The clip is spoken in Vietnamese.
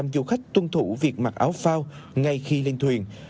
một trăm linh du khách tuân thủ việc mặc áo phao ngay khi lên thuyền